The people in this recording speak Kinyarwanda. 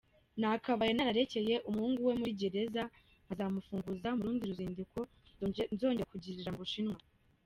Nakabaye nararekeye umuhungu we muri gereza nkazamufunguza mu rundi ruzinduko nzongera kugirira mu Bushinwa.